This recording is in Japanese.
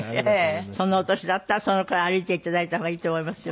そのお年だったらそのくらい歩いていただいた方がいいと思いますよ。